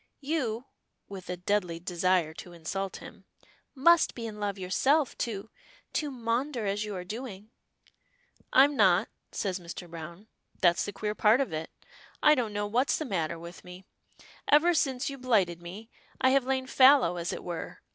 You," with a deadly desire to insult him, "must be in love yourself to to maunder as you are doing?" "I'm not," says Mr. Browne, "that's the queer part of it. I don't know what's the matter with me. Ever since you blighted me, I have lain fallow, as it were.